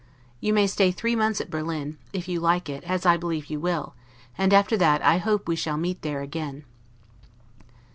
You may stay three months at Berlin, if you like it, as I believe you will; and after that I hope we shall meet there again.